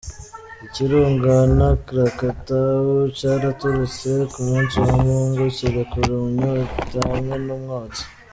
Ikirunga Anak Krakatau caraturitse ku munsi wa Mungu, kirekura umunyota hamwe n'umwotsi.